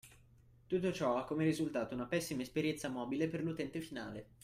Tutto ciò ha come risultato una pessima esperienza mobile per l’utente finale.